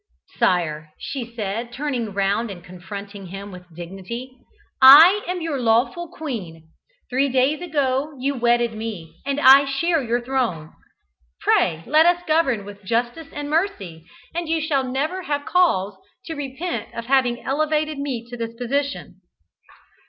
"Sire," she said, turning round and confronting him with dignity, "I am your lawful queen. Three days ago you wedded me, and I share your throne. Pray let us govern with justice and mercy, and you shall never have cause to repent of having elevated me to this position."